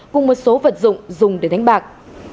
cùng một số vật dụng dùng để đánh bạc